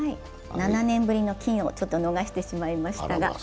７年ぶりの金を逃してしまいましたが。